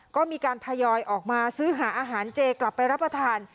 ก็มีการทยอยออกมาซื้อหาอาหารเจกลับไปรับประทาน